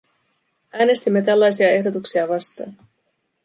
Äänestimme tällaisia ehdotuksia vastaan.